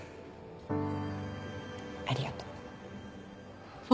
ありがとう。